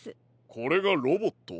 これがロボット。